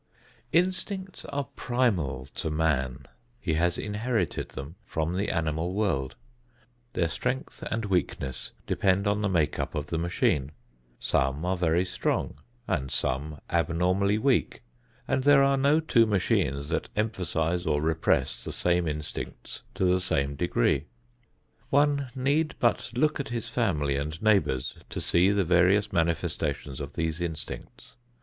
Instincts are primal to man. He has inherited them from the animal world. Their strength and weakness depend on the make up of the machine. Some are very strong and some abnormally weak, and there are no two machines that emphasize or repress the same instincts to the same degree. One need but look at his family and neighbors to see the various manifestations of these instincts.